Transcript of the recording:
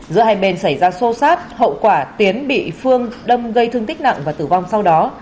giữa hai bên xảy ra xô xát hậu quả tiến bị phương đâm gây thương tích nặng và tử vong sau đó